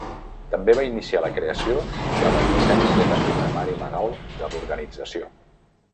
També va iniciar la creació de la llicència de programari legal de l'organització.